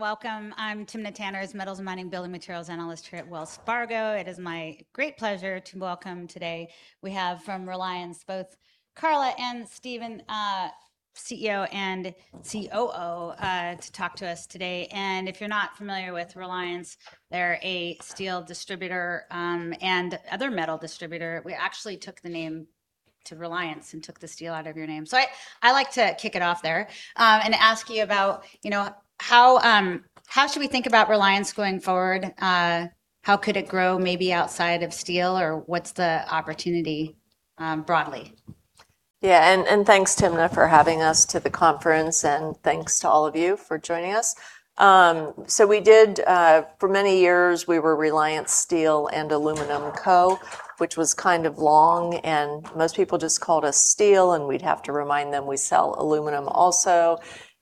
Everyone, welcome. I'm Timna Tanners, Metals and Mining Building Materials analyst here at Wells Fargo. It is my great pleasure to welcome today, we have from Reliance, both Karla and Stephen, CEO and COO, to talk to us today. If you're not familiar with Reliance, they're a steel distributor, and other metal distributor. We actually took the name to Reliance and took the steel out of your name. I like to kick it off there, and ask you about how should we think about Reliance going forward? How could it grow maybe outside of steel, or what's the opportunity broadly? Thanks, Timna, for having us to the conference, and thanks to all of you for joining us. For many years, we were Reliance Steel & Aluminum Co., which was kind of long, and most people just called us Steel, and we'd have to remind them we sell aluminum also.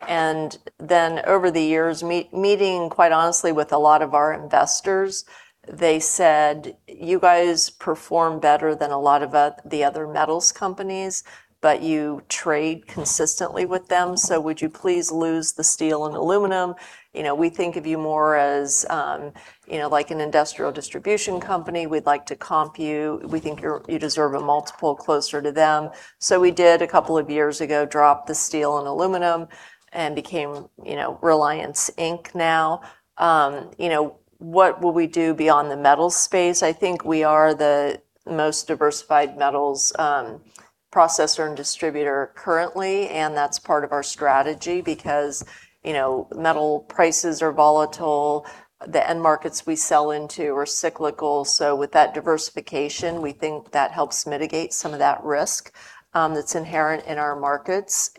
Over the years, meeting, quite honestly, with a lot of our investors, they said, "You guys perform better than a lot of the other metals companies, but you trade consistently with them. Would you please lose the steel and aluminum? We think of you more as an industrial distribution company. We'd like to comp you. We think you deserve a multiple closer to them." We did, a couple of years ago, drop the steel and aluminum and became Reliance, Inc. now. What will we do beyond the metal space? I think we are the most diversified metals processor and distributor currently, and that's part of our strategy because metal prices are volatile. The end markets we sell into are cyclical. With that diversification, we think that helps mitigate some of that risk that's inherent in our markets.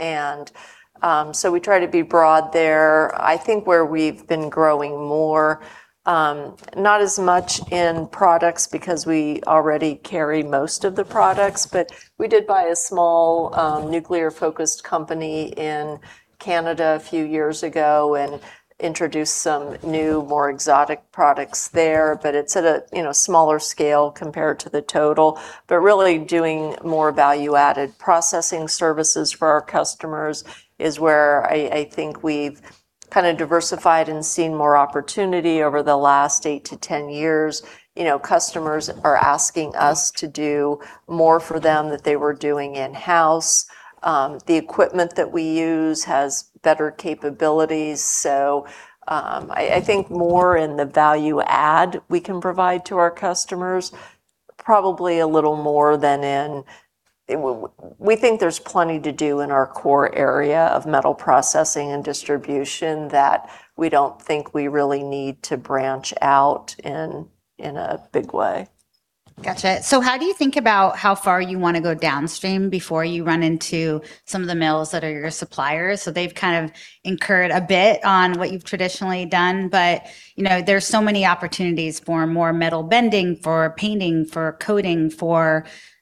We try to be broad there. I think where we've been growing more, not as much in products because we already carry most of the products, but we did buy a small, nuclear-focused company in Canada a few years ago and introduced some new, more exotic products there. But it's at a smaller scale compared to the total. Really doing more value-added processing services for our customers is where I think we've diversified and seen more opportunity over the last 8-10 years. Customers are asking us to do more for them that they were doing in-house. The equipment that we use has better capabilities. I think more in the value add we can provide to our customers. We think there's plenty to do in our core area of metal processing and distribution that we don't think we really need to branch out in a big way. Got you. How do you think about how far you want to go downstream before you run into some of the mills that are your suppliers? They've kind of incurred a bit on what you've traditionally done, but there's so many opportunities for more metal bending, for painting, for coating.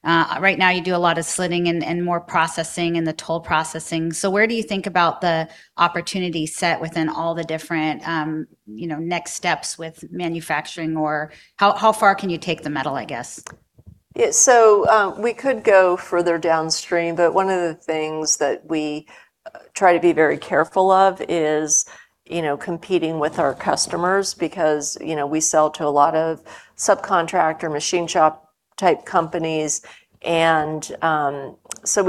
Right now you do a lot of slitting and more processing and the toll processing. Where do you think about the opportunity set within all the different next steps with manufacturing? Or how far can you take the metal, I guess? We could go further downstream, but one of the things that we try to be very careful of is competing with our customers because we sell to a lot of subcontractor machine shop type companies, we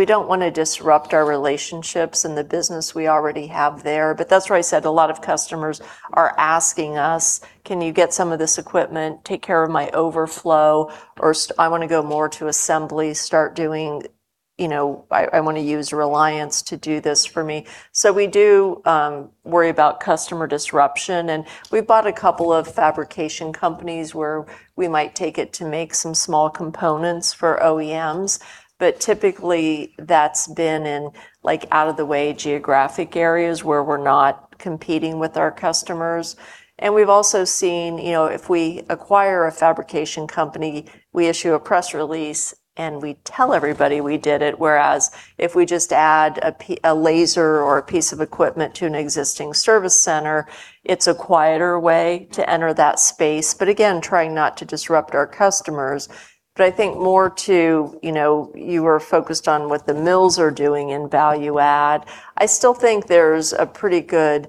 don't want to disrupt our relationships and the business we already have there. That's where I said a lot of customers are asking us, "Can you get some of this equipment? Take care of my overflow." Or, "I want to go more to assembly. I want to use Reliance to do this for me." We do worry about customer disruption, and we've bought a couple of fabrication companies where we might take it to make some small components for OEMs. Typically, that's been in out of the way geographic areas where we're not competing with our customers. We've also seen, if we acquire a fabrication company, we issue a press release, and we tell everybody we did it. Whereas, if we just add a laser or a piece of equipment to an existing service center, it's a quieter way to enter that space. Again, trying not to disrupt our customers. I think more to, you were focused on what the mills are doing in value add. I still think there's a pretty good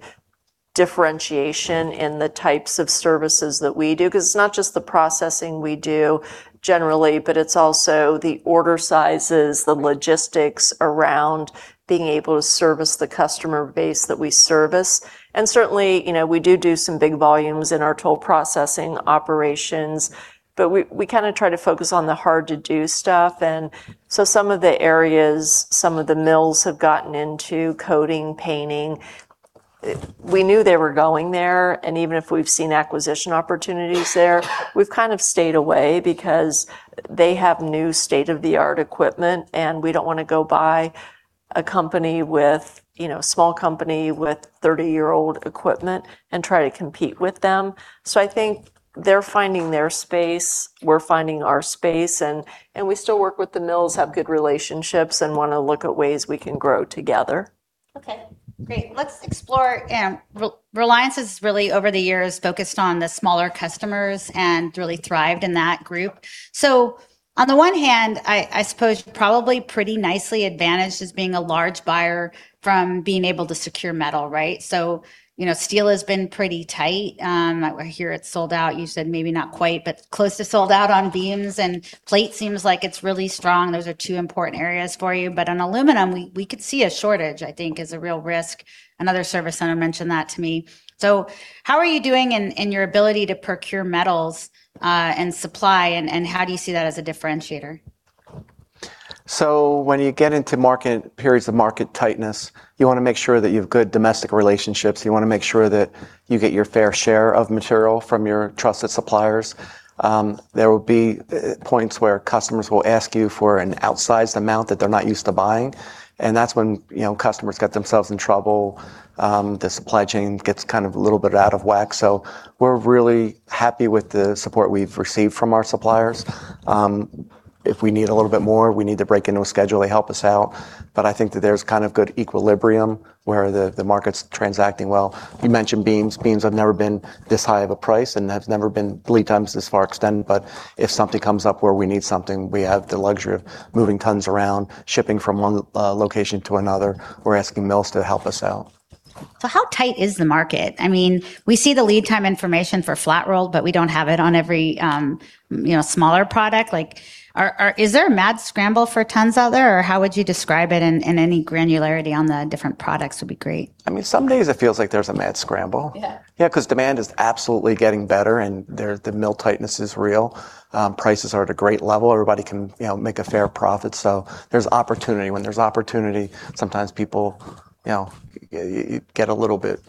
differentiation in the types of services that we do, because it's not just the processing we do generally, but it's also the order sizes, the logistics around being able to service the customer base that we service. Certainly, we do do some big volumes in our toll processing operations, but we try to focus on the hard-to-do stuff. Some of the areas some of the mills have gotten into, coating, painting, we knew they were going there. Even if we've seen acquisition opportunities there, we've kind of stayed away because they have new state-of-the-art equipment, and we don't want to go buy a small company with 30-year-old equipment and try to compete with them. I think they're finding their space, we're finding our space, and we still work with the mills, have good relationships, and want to look at ways we can grow together. Okay, great. Reliance has really, over the years, focused on the smaller customers and really thrived in that group. On the one hand, I suppose you're probably pretty nicely advantaged as being a large buyer from being able to secure metal, right? Steel has been pretty tight. I hear it's sold out. You said maybe not quite, but close to sold out on beams, and plate seems like it's really strong. Those are two important areas for you. On aluminum, we could see a shortage, I think, is a real risk. Another service center mentioned that to me. How are you doing in your ability to procure metals and supply, and how do you see that as a differentiator? When you get into periods of market tightness, you want to make sure that you have good domestic relationships. You want to make sure that you get your fair share of material from your trusted suppliers. There will be points where customers will ask you for an outsized amount that they're not used to buying, and that's when customers get themselves in trouble. The supply chain gets a little bit out of whack. We're really happy with the support we've received from our suppliers. If we need a little bit more, we need to break into a schedule, they help us out. I think that there's good equilibrium where the market's transacting well. You mentioned beams. Beams have never been this high of a price and have never been lead times this far extended, but if something comes up where we need something, we have the luxury of moving tons around, shipping from one location to another, or asking mills to help us out. How tight is the market? We see the lead time information for flat roll, but we don't have it on every smaller product. Is there a mad scramble for tons out there, or how would you describe it, and any granularity on the different products would be great. Some days it feels like there's a mad scramble. Yeah. Yeah, demand is absolutely getting better, the mill tightness is real. Prices are at a great level. Everybody can make a fair profit, there's opportunity. When there's opportunity, sometimes people get a little bit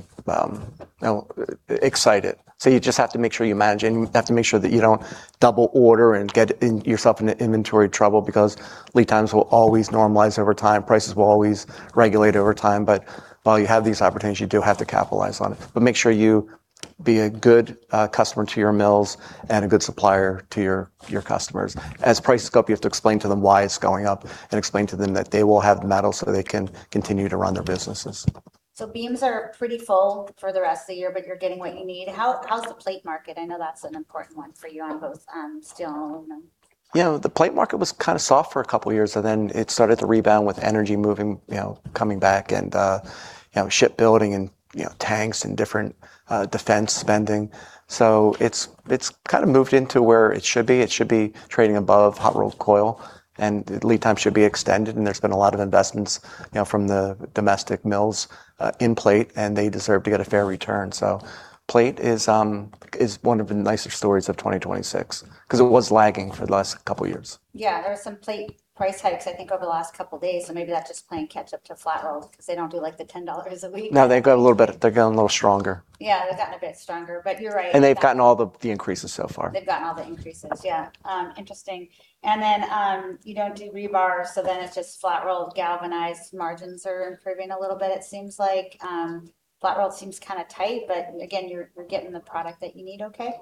excited. You just have to make sure you manage and you have to make sure that you don't double order and get yourself into inventory trouble, lead times will always normalize over time. Prices will always regulate over time. While you have these opportunities, you do have to capitalize on it. Make sure you be a good customer to your mills and a good supplier to your customers. As prices go up, you have to explain to them why it's going up and explain to them that they will have the metal so they can continue to run their businesses. Beams are pretty full for the rest of the year, but you're getting what you need. How's the plate market? I know that's an important one for you on both steel and aluminum. The plate market was soft for a couple of years, it started to rebound with energy moving, coming back, shipbuilding and tanks and different defense spending. It's moved into where it should be. It should be trading above hot-rolled coil, lead time should be extended, there's been a lot of investments from the domestic mills in plate, they deserve to get a fair return. Plate is one of the nicer stories of 2026, it was lagging for the last couple of years. Yeah. There were some plate price hikes, I think, over the last couple of days, maybe that's just playing catch up to flat roll because they don't do the $10 a week. No, they've gotten a little stronger. Yeah, they've gotten a bit stronger, you're right. They've gotten all the increases so far. They've gotten all the increases. Yeah. Interesting. You don't do rebar, it's just flat roll. Galvanized margins are improving a little bit, it seems like. Flat roll seems tight, but again, you're getting the product that you need okay?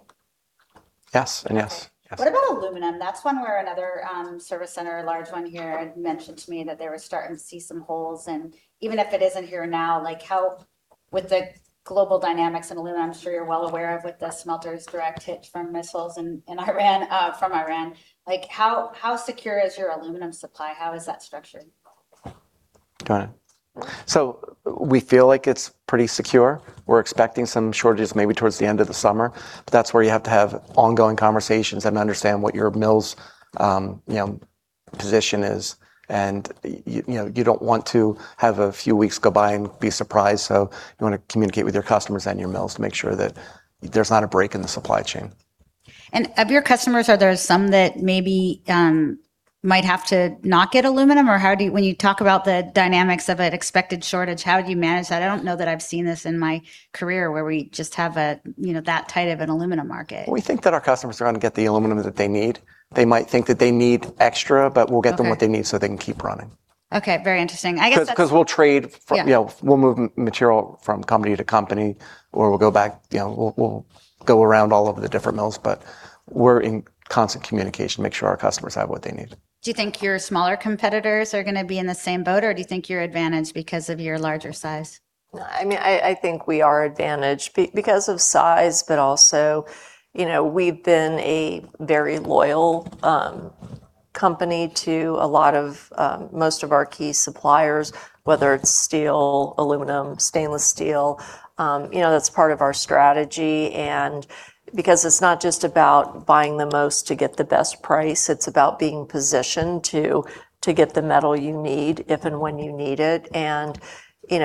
Yes and yes. Okay. What about aluminum? That's one where another service center, a large one here, had mentioned to me that they were starting to see some holes, and even if it isn't here now, with the global dynamics in aluminum, I'm sure you're well aware of with the smelters direct hit from missiles from Iran. How secure is your aluminum supply? How is that structured? Got it. We feel like it's pretty secure. We're expecting some shortages maybe towards the end of the summer, that's where you have to have ongoing conversations and understand what your mill's position is, and you don't want to have a few weeks go by and be surprised. You want to communicate with your customers and your mills to make sure that there's not a break in the supply chain. Of your customers, are there some that maybe might have to not get aluminum, or when you talk about the dynamics of an expected shortage, how do you manage that? I don't know that I've seen this in my career where we just have that tight of an aluminum market. We think that our customers are going to get the aluminum that they need. They might think that they need extra, but we'll get them what they need so they can keep running. Okay. Very interesting. Because we'll trade. Yeah. We'll move material from company to company, or we'll go around all of the different mills, but we're in constant communication to make sure our customers have what they need. Do you think your smaller competitors are going to be in the same boat, or do you think you're advantaged because of your larger size? I think we are advantaged because of size, but also we've been a very loyal company to most of our key suppliers, whether it's steel, aluminum, stainless steel. That's part of our strategy, and because it's not just about buying the most to get the best price, it's about being positioned to get the metal you need if and when you need it, and we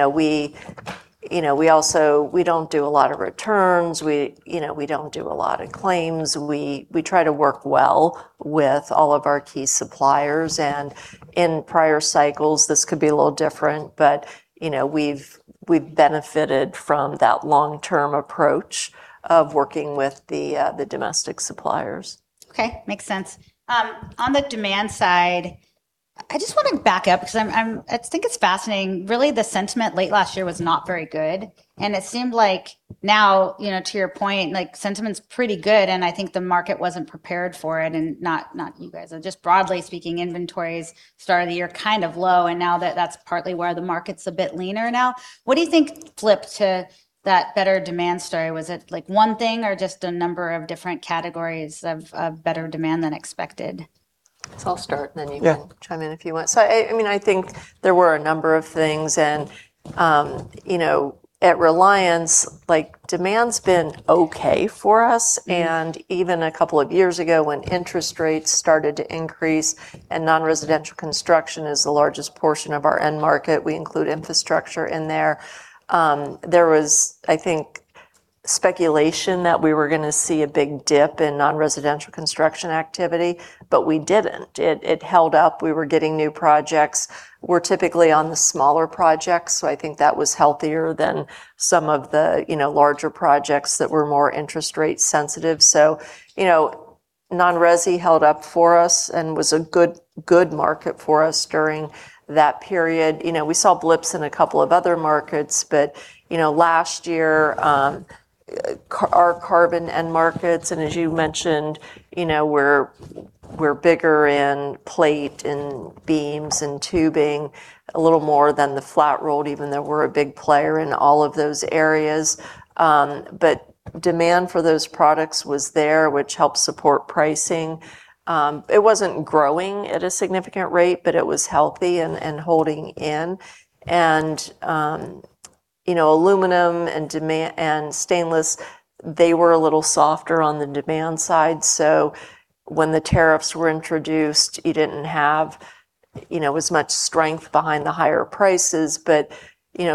don't do a lot of returns. We don't do a lot of claims. We try to work well with all of our key suppliers, and in prior cycles, this could be a little different, but we've benefited from that long-term approach of working with the domestic suppliers. Okay. Makes sense. On the demand side. I just want to back up because I think it's fascinating. Really, the sentiment late last year was not very good, and it seemed like now, to your point, sentiment's pretty good, and I think the market wasn't prepared for it, and not you guys, just broadly speaking, inventories started the year kind of low, and now that's partly why the market's a bit leaner now. What do you think flipped to that better demand story? Was it one thing or just a number of different categories of better demand than expected? I'll start, and then you- Yeah. can chime in if you want. I think there were a number of things, and at Reliance, demand's been okay for us, and even a couple of years ago when interest rates started to increase and non-residential construction is the largest portion of our end market, we include infrastructure in there. There was, I think, speculation that we were going to see a big dip in non-residential construction activity, but we didn't. It held up. We were getting new projects. We're typically on the smaller projects, so I think that was healthier than some of the larger projects that were more interest rate sensitive. Non-resi held up for us and was a good market for us during that period. We saw blips in a couple of other markets, but last year, our carbon end markets, and as you mentioned, we're bigger in plate, in beams, in tubing, a little more than the flat roll, even though we're a big player in all of those areas. Demand for those products was there, which helped support pricing. It wasn't growing at a significant rate, but it was healthy and holding in. Aluminum and stainless, they were a little softer on the demand side, so when the tariffs were introduced, you didn't have as much strength behind the higher prices.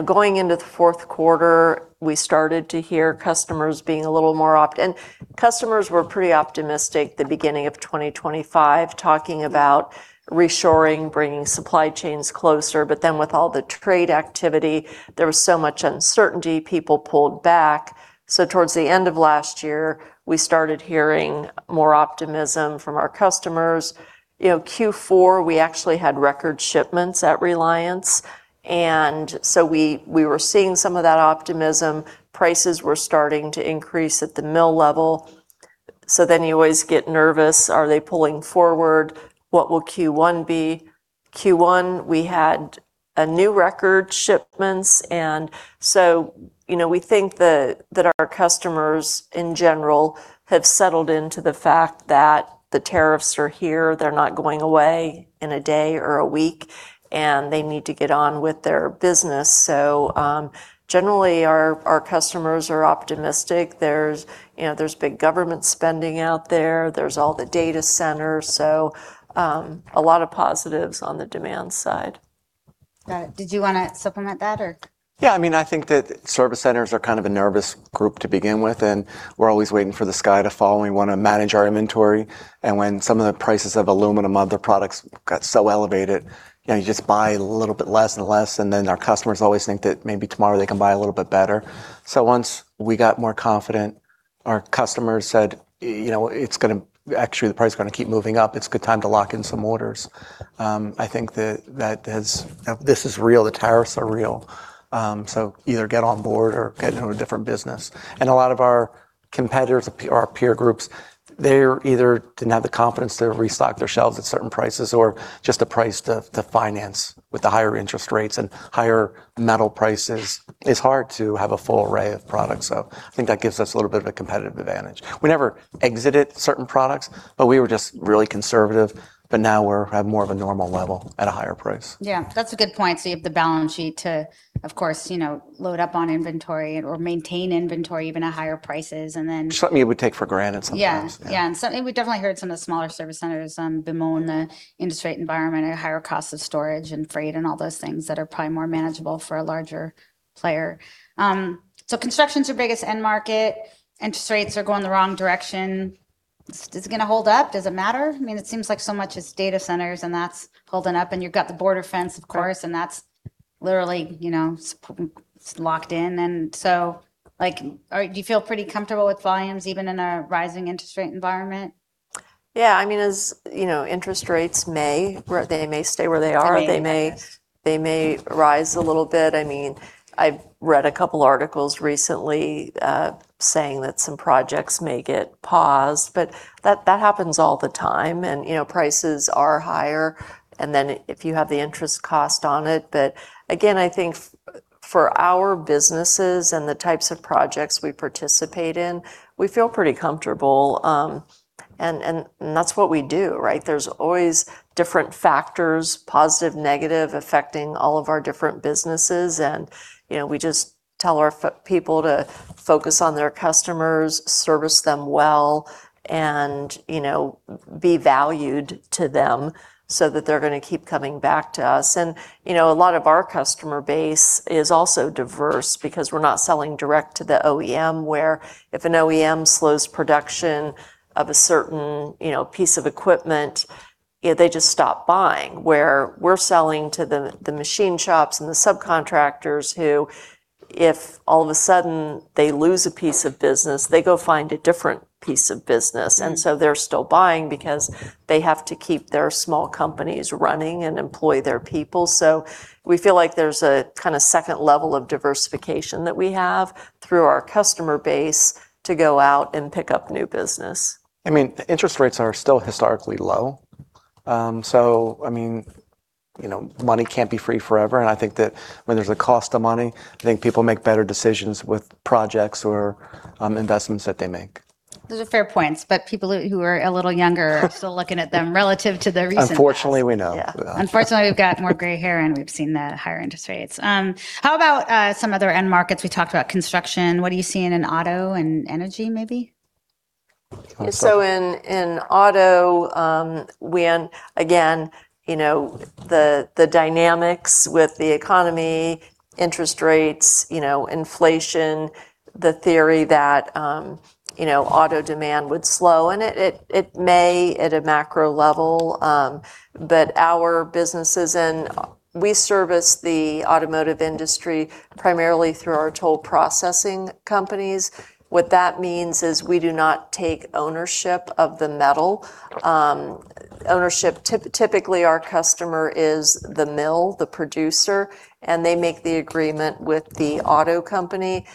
Going into the fourth quarter, we started to hear customers being a little more and customers were pretty optimistic the beginning of 2025, talking about reshoring, bringing supply chains closer, but then with all the trade activity, there was so much uncertainty. People pulled back. Towards the end of last year, we started hearing more optimism from our customers. Q4, we actually had record shipments at Reliance, we were seeing some of that optimism. Prices were starting to increase at the mill level. You always get nervous. Are they pulling forward? What will Q1 be? Q1, we had a new record shipments. We think that our customers, in general, have settled into the fact that the tariffs are here, they're not going away in a day or a week, and they need to get on with their business. Generally, our customers are optimistic. There's big government spending out there. There's all the data centers, so a lot of positives on the demand side. Got it. Did you want to supplement that, or? Yeah, I think that service centers are kind of a nervous group to begin with, we're always waiting for the sky to fall, and we want to manage our inventory. When some of the prices of aluminum, other products got so elevated, you just buy a little bit less and less, and then our customers always think that maybe tomorrow they can buy a little bit better. Once we got more confident, our customers said, "Actually, the price is going to keep moving up. It's a good time to lock in some orders." I think that this is real, the tariffs are real. Either get on board or get into a different business. A lot of our competitors or our peer groups, they either didn't have the confidence to restock their shelves at certain prices or just the price to finance with the higher interest rates and higher metal prices. It's hard to have a full array of products. I think that gives us a little bit of a competitive advantage. We never exited certain products, but we were just really conservative. Now we have more of a normal level at a higher price. Yeah. That's a good point. You have the balance sheet to, of course, load up on inventory or maintain inventory even at higher prices. Something you would take for granted sometimes. Yeah. Something we definitely heard some of the smaller service centers bemoan the interest rate environment or higher costs of storage and freight and all those things that are probably more manageable for a larger player. Construction's your biggest end market. Interest rates are going the wrong direction. Is it going to hold up? Does it matter? It seems like so much is data centers, and that's holding up, and you've got the border fence, of course. That's literally locked in. Do you feel pretty comfortable with volumes even in a rising interest rate environment? Yeah. Interest rates, they may stay where they are. To me They may rise a little bit. I've read a couple articles recently, saying that some projects may get paused, but that happens all the time, and prices are higher, and then if you have the interest cost on it. Again, I think for our businesses and the types of projects we participate in, we feel pretty comfortable. That's what we do, right? There's always different factors, positive, negative, affecting all of our different businesses, and we just tell our people to focus on their customers, service them well, and be valued to them so that they're going to keep coming back to us. A lot of our customer base is also diverse because we're not selling direct to the OEM, where if an OEM slows production of a certain piece of equipment, they just stop buying. Where we're selling to the machine shops and the subcontractors who. If all of a sudden they lose a piece of business, they go find a different piece of business. They're still buying because they have to keep their small companies running and employ their people. We feel like there's a kind of second level of diversification that we have through our customer base to go out and pick up new business. Interest rates are still historically low. Money can't be free forever, and I think that when there's a cost of money, I think people make better decisions with projects or investments that they make. Those are fair points, people who are a little younger are still looking at them relative to their recent past. Unfortunately, we know. Yeah. Yeah. Unfortunately, we've got more gray hair, and we've seen the higher interest rates. How about some other end markets? We talked about construction. What are you seeing in auto and energy, maybe? In auto, when again, the dynamics with the economy, interest rates, inflation, the theory that auto demand would slow, and it may at a macro level. Our businesses and we service the automotive industry primarily through our toll processing companies. What that means is we do not take ownership of the metal. Ownership, typically our customer is the mill, the producer, and they make the agreement with the auto company.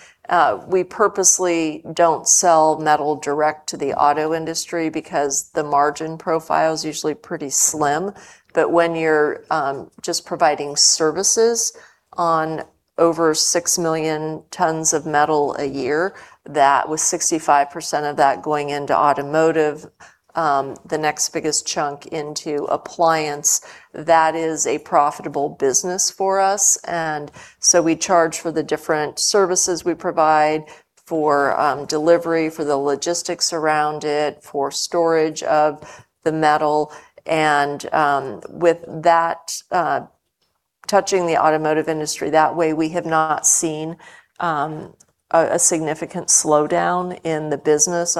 We purposely don't sell metal direct to the auto industry because the margin profile is usually pretty slim. When you're just providing services on over 6 million tons of metal a year, that, with 65% of that going into automotive, the next biggest chunk into appliance, that is a profitable business for us. We charge for the different services we provide, for delivery, for the logistics around it, for storage of the metal. With that, touching the automotive industry that way, we have not seen a significant slowdown in the business.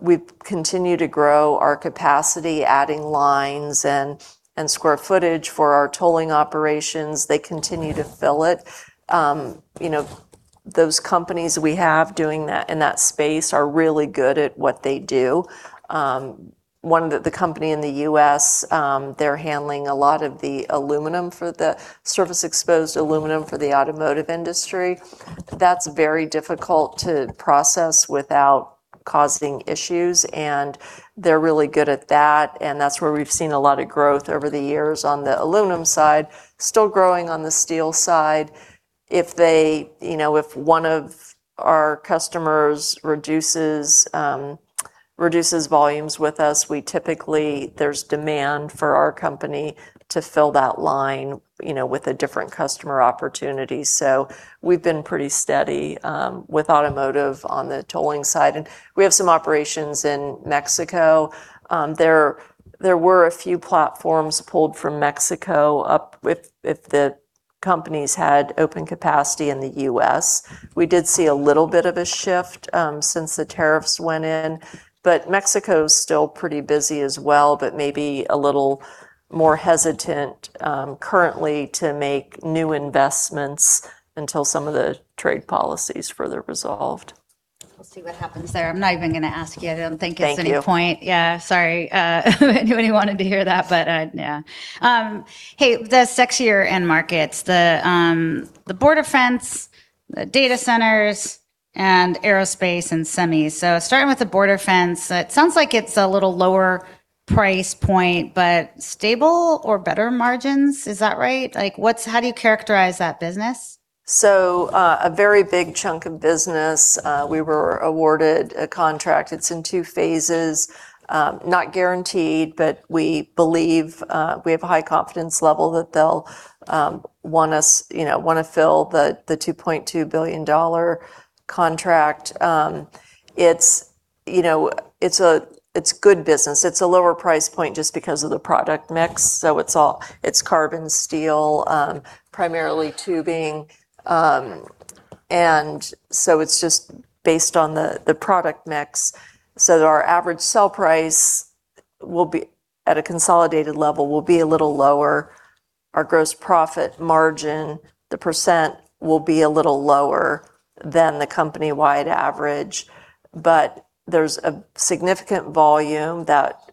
We continue to grow our capacity, adding lines and square footage for our tolling operations. They continue to fill it. Those companies we have doing that in that space are really good at what they do. One, the company in the U.S., they're handling a lot of the surface-exposed aluminum for the automotive industry. That's very difficult to process without causing issues, and they're really good at that, and that's where we've seen a lot of growth over the years on the aluminum side. Still growing on the steel side. If one of our customers reduces volumes with us, we typically, there's demand for our company to fill that line with a different customer opportunity. We've been pretty steady with automotive on the tolling side. We have some operations in Mexico. There were a few platforms pulled from Mexico, if the companies had open capacity in the U.S. We did see a little bit of a shift since the tariffs went in. Mexico's still pretty busy as well, but maybe a little more hesitant currently to make new investments until some of the trade policy's further resolved. We'll see what happens there. I'm not even going to ask you. I don't think it's any point. Thank you. Yeah, sorry. Anybody who wanted to hear that, but yeah. Hey, the sexier end markets, the border fence, the data centers, and aerospace and semis. Starting with the border fence, it sounds like it's a little lower price point, but stable or better margins, is that right? How do you characterize that business? A very big chunk of business, we were awarded a contract. It's in two phases. Not guaranteed, but we believe, we have a high confidence level that they'll want to fill the $2.2 billion contract. It's good business. It's a lower price point just because of the product mix. It's carbon steel, primarily tubing, it's just based on the product mix. Our average sale price, at a consolidated level, will be a little lower. Our gross profit margin, the percent, will be a little lower than the company-wide average. There's a significant volume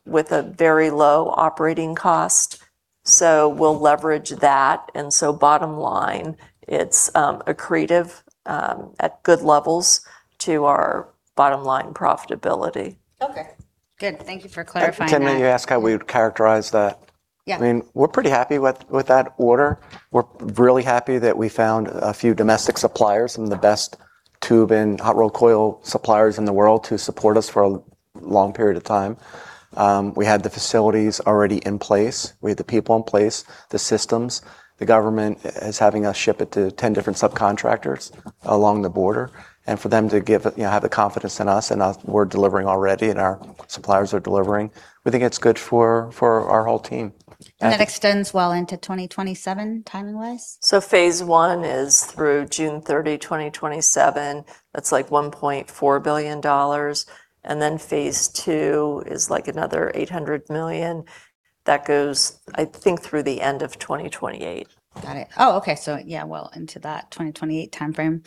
with a very low operating cost. We'll leverage that. Bottom line, it's accretive at good levels to our bottom-line profitability. Okay, good. Thank you for clarifying that. Timna, you asked how we would characterize that. Yeah. We're pretty happy with that order. We're really happy that we found a few domestic suppliers, some of the best tube and hot-rolled coil suppliers in the world, to support us for a long period of time. We had the facilities already in place. We had the people in place, the systems. The government is having us ship it to 10 different subcontractors along the border. For them to have the confidence in us, and we're delivering already, and our suppliers are delivering. We think it's good for our whole team. That extends well into 2027 timing-wise? Phase one is through June 30, 2027. That's like $1.4 billion. Phase two is another $800 million. That goes, I think, through the end of 2028. Got it. Oh, okay. Yeah, well into that 2028 timeframe.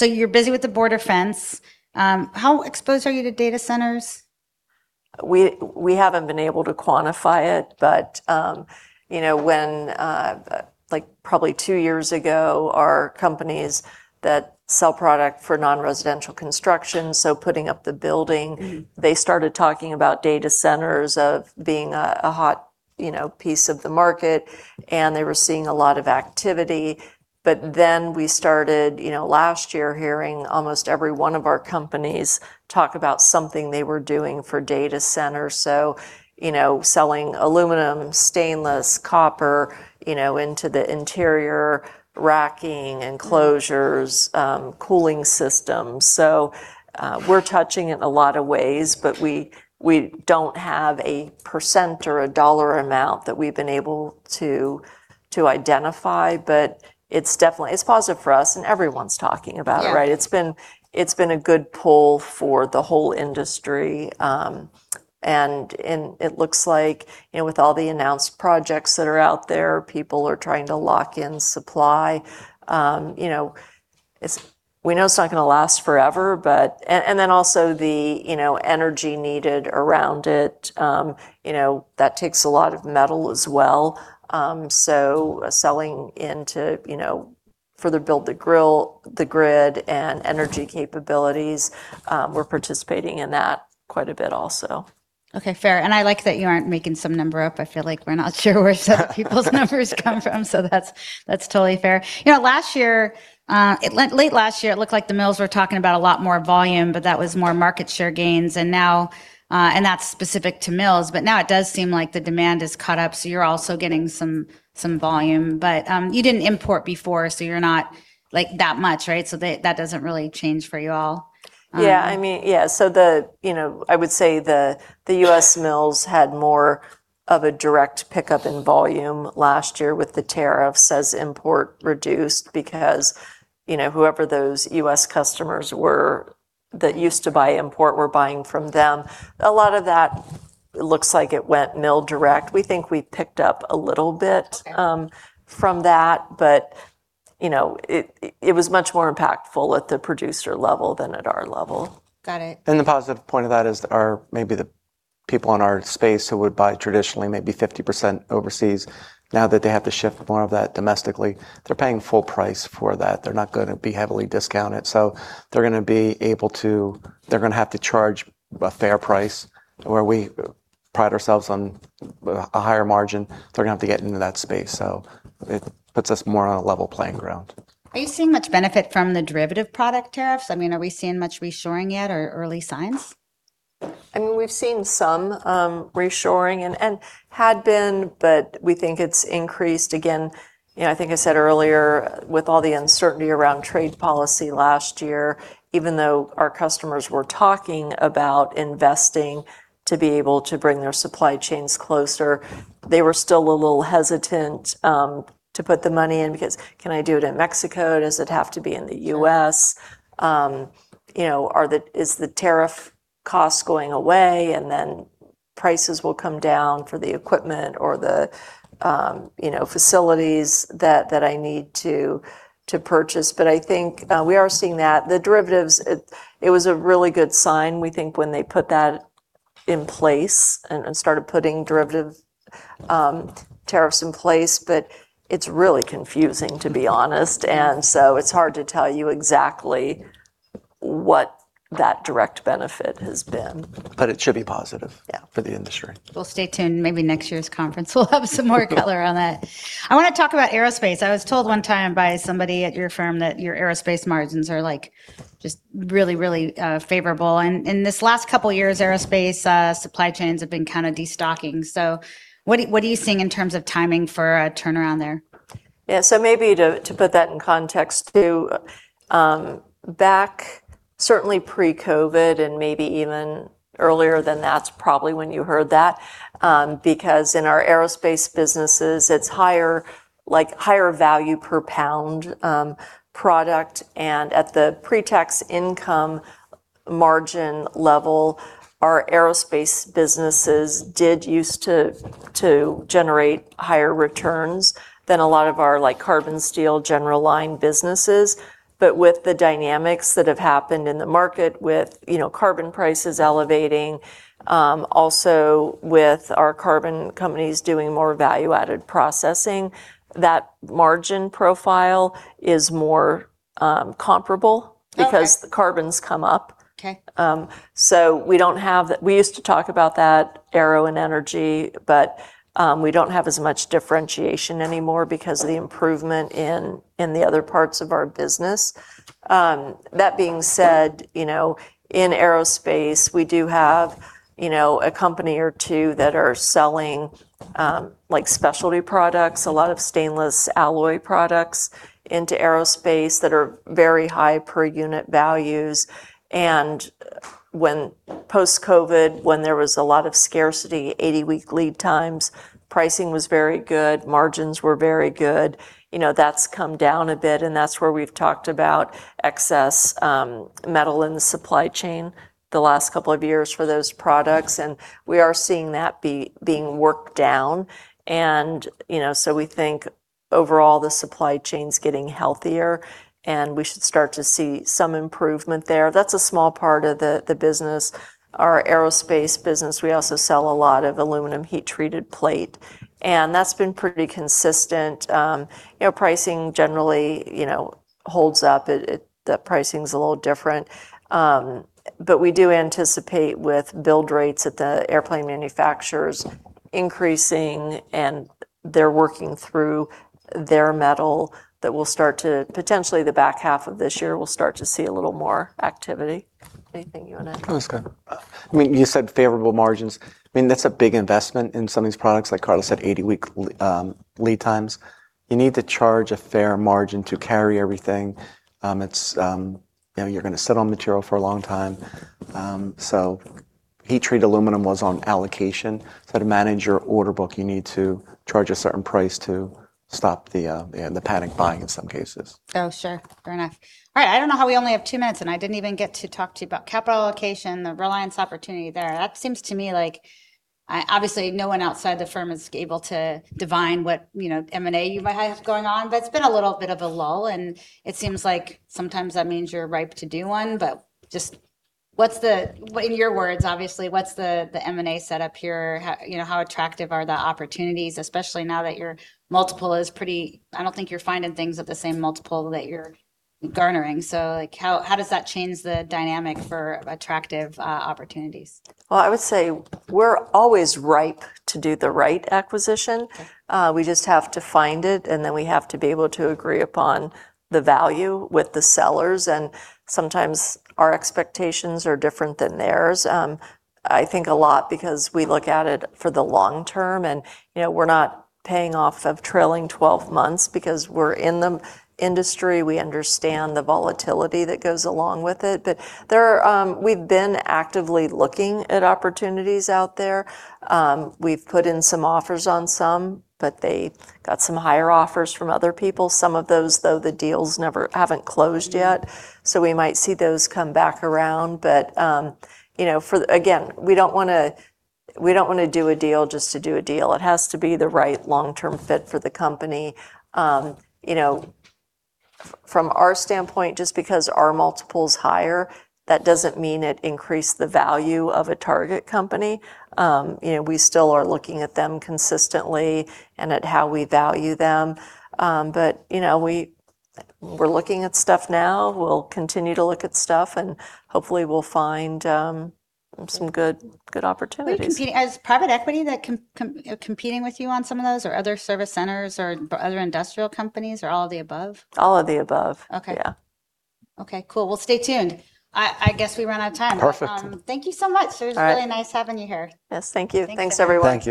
You're busy with the border fence. How exposed are you to data centers? We haven't been able to quantify it, but when, probably two years ago, our companies that sell product for non-residential construction, so putting up the building, they started talking about data centers of being a hot piece of the market, and they were seeing a lot of activity. We started, last year, hearing almost every one of our companies talk about something they were doing for data centers. Selling aluminum, stainless, copper, into the interior racking, enclosures, cooling systems. We're touching in a lot of ways, but we don't have a percent or a dollar amount that we've been able to identify. It's positive for us, and everyone's talking about it, right? Yeah. It's been a good pull for the whole industry. It looks like, with all the announced projects that are out there, people are trying to lock in supply. We know it's not going to last forever. Also the energy needed around it, that takes a lot of metal as well. Selling into further build the grid and energy capabilities, we're participating in that quite a bit also. Okay, fair. I like that you aren't making some number up. I feel like we're not sure where some of people's numbers come from, so that's totally fair. Late last year, it looked like the mills were talking about a lot more volume, but that was more market share gains. That's specific to mills. Now it does seem like the demand is caught up, so you're also getting some volume. You didn't import before, so you're not that much, right? That doesn't really change for you all. Yeah. I would say the U.S. mills had more of a direct pickup in volume last year with the tariffs as import reduced because whoever those U.S. customers were that used to buy import were buying from them. A lot of that looks like it went mill direct. We think we picked up a little bit- Okay. from that. It was much more impactful at the producer level than at our level. Got it. The positive point of that is maybe the people in our space who would buy traditionally, maybe 50% overseas, now that they have to shift more of that domestically, they're paying full price for that. They're not going to be heavily discounted. They're going to have to charge a fair price, where we pride ourselves on a higher margin. They're going to have to get into that space. It puts us more on a level playing ground. Are you seeing much benefit from the derivative product tariffs? Are we seeing much reshoring yet or early signs? We've seen some reshoring and had been, but we think it's increased again. I think I said earlier, with all the uncertainty around trade policy last year, even though our customers were talking about investing to be able to bring their supply chains closer, they were still a little hesitant to put the money in because, "Can I do it in Mexico? Does it have to be in the U.S.? Is the tariff cost going away, and then prices will come down for the equipment or the facilities that I need to purchase?" I think we are seeing that. The derivatives, it was a really good sign, we think, when they put that in place and started putting derivative tariffs in place. It's really confusing, to be honest. It's hard to tell you exactly what that direct benefit has been. It should be positive- Yeah. for the industry. Stay tuned. Maybe next year's conference we'll have some more color on that. I want to talk about aerospace. I was told one time by somebody at your firm that your aerospace margins are just really, really favorable. In this last couple of years, aerospace supply chains have been kind of destocking. What are you seeing in terms of timing for a turnaround there? Maybe to put that in context too, back, certainly pre-COVID and maybe even earlier than that's probably when you heard that. In our aerospace businesses, it's higher value per pound product, and at the pre-tax income margin level, our aerospace businesses did use to generate higher returns than a lot of our carbon steel general line businesses. With the dynamics that have happened in the market with carbon prices elevating, also with our carbon companies doing more value-added processing, that margin profile is more comparable. Okay. The carbons come up. Okay. We used to talk about that aero and energy, we don't have as much differentiation anymore because of the improvement in the other parts of our business. That being said, in aerospace, we do have a company or two that are selling specialty products, a lot of stainless alloy products into aerospace that are very high per unit values. Post-COVID, when there was a lot of scarcity, 80-week lead times, pricing was very good, margins were very good. That's come down a bit, and that's where we've talked about excess metal in the supply chain the last couple of years for those products, and we are seeing that being worked down. We think overall, the supply chain's getting healthier, and we should start to see some improvement there. That's a small part of the business. Our aerospace business, we also sell a lot of aluminum heat-treated plate, that's been pretty consistent. Pricing generally holds up. The pricing's a little different. We do anticipate with build rates at the airplane manufacturers increasing, and they're working through their metal, that potentially the back half of this year, we'll start to see a little more activity. Anything you want to add? No, that's good. You said favorable margins. That's a big investment in some of these products, like Karla said, 80-week lead times. You need to charge a fair margin to carry everything. You're going to sit on material for a long time. Heat-treat aluminum was on allocation. To manage your order book, you need to charge a certain price to stop the panic buying in some cases. Oh, sure. Fair enough. All right. I don't know how we only have two minutes, and I didn't even get to talk to you about capital allocation, the Reliance opportunity there. That seems to me like, obviously, no one outside the firm is able to divine what M&A you might have going on, it's been a little bit of a lull, and it seems like sometimes that means you're ripe to do one. Just in your words, obviously, what's the M&A setup here? How attractive are the opportunities, especially now that your multiple is pretty. I don't think you're finding things at the same multiple that you're garnering. How does that change the dynamic for attractive opportunities? Well, I would say we're always ripe to do the right acquisition. We just have to find it, and then we have to be able to agree upon the value with the sellers, and sometimes our expectations are different than theirs. I think a lot because we look at it for the long term, and we're not paying off of trailing 12 months because we're in the industry. We understand the volatility that goes along with it. We've been actively looking at opportunities out there. We've put in some offers on some, but they got some higher offers from other people. Some of those, though, the deals haven't closed yet, so we might see those come back around. Again, we don't want to do a deal just to do a deal. It has to be the right long-term fit for the company. From our standpoint, just because our multiple's higher, that doesn't mean it increased the value of a target company. We still are looking at them consistently and at how we value them. We're looking at stuff now. We'll continue to look at stuff, and hopefully, we'll find some good opportunities. Who are you competing? Is private equity competing with you on some of those, or other service centers, or other industrial companies, or all of the above? All of the above. Okay. Yeah. Okay, cool. Well, stay tuned. I guess we ran out of time. Perfect. Thank you so much. All right. It was really nice having you here. Yes, thank you. Thanks, everyone. Thank you